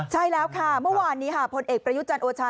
ใช่แล้วค่ะเมื่อวานนี้ค่ะพลเอกประยุจันทร์โอชา